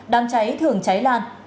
đang cháy thường cháy lan